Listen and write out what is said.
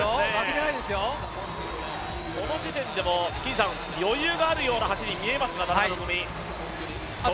この時点でも余裕があるような走りに見えますか、田中希実。